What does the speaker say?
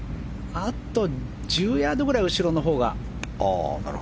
あと１０ヤードぐらいは後ろのほうが。